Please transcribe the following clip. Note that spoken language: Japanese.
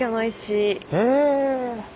へえ。